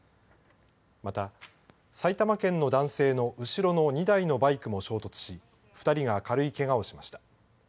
また、埼玉県の男性の後ろの２台のバイクも衝突し２人が軽いけがをしました。